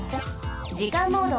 じかんモード。